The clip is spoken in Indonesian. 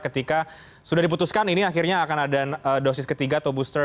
ketika sudah diputuskan ini akhirnya akan ada dosis ketiga atau booster